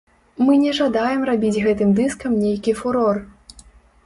Мы не жадаем рабіць гэтым дыскам нейкі фурор.